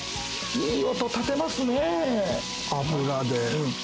いい音、立てますね。